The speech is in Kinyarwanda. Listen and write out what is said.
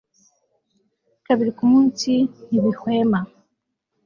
kabiri ku munsi, ntibihwema